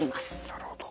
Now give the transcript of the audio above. なるほど。